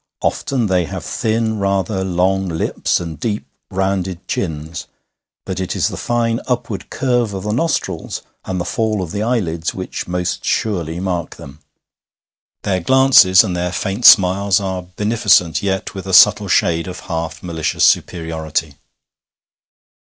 Often they have thin, rather long lips and deep rounded chins; but it is the fine upward curve of the nostrils and the fall of the eyelids which most surely mark them. Their glances and their faint smiles are beneficent, yet with a subtle shade of half malicious superiority.